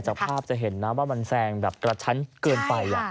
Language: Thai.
จากภาพจะเห็นนะว่ามันแซงแบบกระชั้นเกินไป